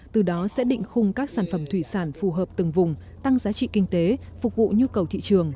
từ đó sẽ định khung các sản phẩm thủy sản phù hợp từng vùng tăng giá trị kinh tế phục vụ nhu cầu thị trường